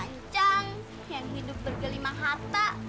sementara ayu siang yang hidup berkelima harta